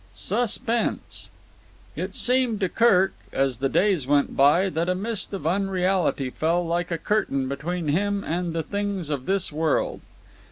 Suspense It seemed to Kirk, as the days went by, that a mist of unreality fell like a curtain between him and the things of this world.